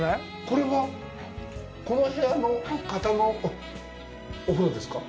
これは、この部屋の方のお風呂ですか？